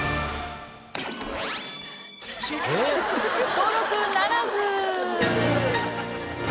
登録ならず。